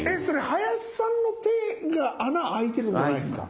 林さんの手が穴開いてるんじゃないですか？